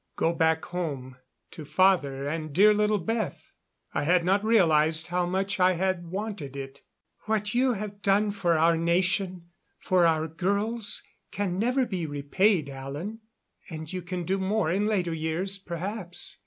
Go back home to father and dear little Beth! I had not realized how much I had wanted it. "What you have done for our nation for our girls can never be repaid, Alan. And you can do more in later years, perhaps.